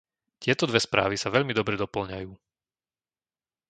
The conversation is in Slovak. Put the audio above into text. Tieto dve správy sa veľmi dobre dopĺňajú.